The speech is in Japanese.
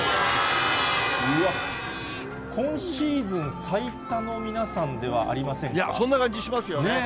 今シーズン最多の皆さんではそんな感じしますよね。